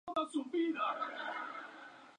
Para casar a su hija Clístenes ideó un concurso.